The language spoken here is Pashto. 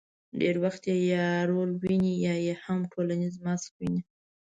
ډېر وخت یې یا رول ویني، یا یې هم ټولنیز ماسک ویني.